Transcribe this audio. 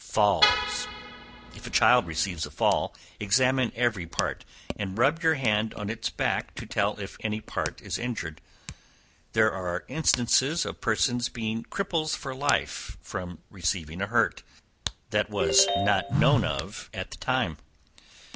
Falls. If a child receives a fall, examine every part, and rub your hand on its back to tell if any part is injured. There are instances of persons being cripples for life, from receiving a hurt, that was not known of at the time.